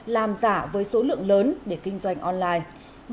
làm giả với số lượng lớn để kinh doanh online